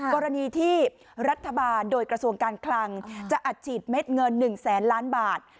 กรณีที่รัฐบาลโดยกระทรวงการคลังจะอัดฉีดเม็ดเงิน๑แสนล้านบาท